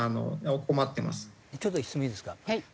ちょっと質問いいですか。